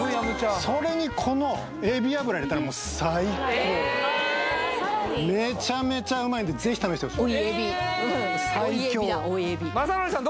それにこのえび油入れたらもう最高めちゃめちゃうまいんでぜひ試してほしい・追いえび追いえびだ雅紀さん